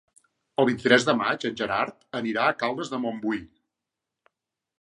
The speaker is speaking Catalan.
El vint-i-tres de maig en Gerard anirà a Caldes de Montbui.